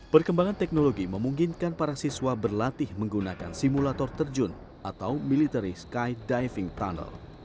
perkembangan teknologi memungkinkan para siswa berlatih menggunakan simulator terjun atau military skydiving tunnel